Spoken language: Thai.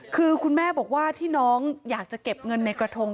คือคุณแม่บอกว่าที่น้องอยากจะเก็บเงินในกระทง